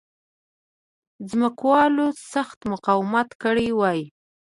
ځمکوالو سخت مقاومت کړی وای.